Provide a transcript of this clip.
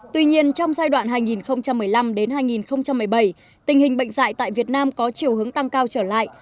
tuy nhiên trong giai đoạn hai nghìn một mươi năm hai nghìn một mươi bảy tình hình bệnh dạy tại việt nam có chiều hướng tăng cao trở lại